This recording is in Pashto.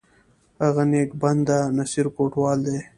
هغه نیک بنده، نصیر کوټوال دی!